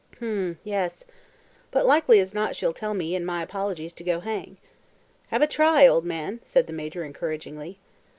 "H'm, yes. But as likely as not she'll tell me and my apologies to go hang." "Have a try, old man," said the Major encouragingly.